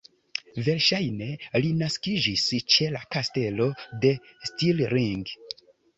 Verŝajne li naskiĝis ĉe la Kastelo de Stirling.